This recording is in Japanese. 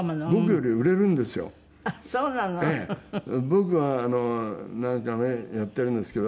僕はなんかねやっているんですけど。